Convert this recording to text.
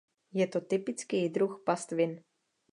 Je to typický druh pastvin.